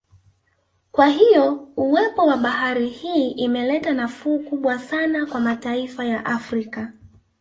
Kwa hiyo uwepo wa bahari hii imeleta nafuu kubwa sana kwa mataifa ya Afrika